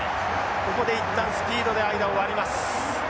ここで一旦スピードで間を割ります。